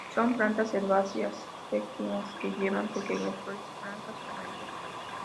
Son plantas herbáceas pequeñas que llevan pequeñas flores blancas o amarillas.